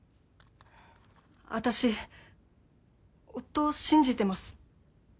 私夫を信じてます。